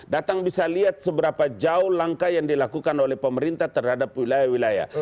datang bisa lihat seberapa jauh langkah yang dilakukan oleh pemerintah terhadap wilayah wilayah